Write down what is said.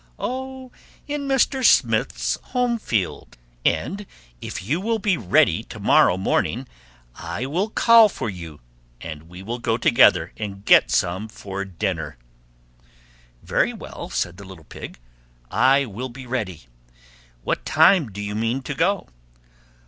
"Oh, in Mr. Smith's home field; and if you will be ready to morrow morning, I will call for you, and we will go together and get some for dinner." "Very well," said the little Pig, "I will be ready. What time do you mean to go?"